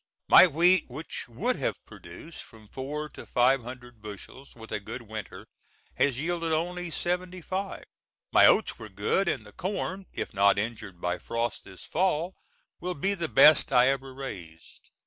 My wheat, which would have produced from four to five hundred bushels with a good winter, has yielded only seventy five. My oats were good, and the corn, if not injured by frost this fall, will be the best I ever raised.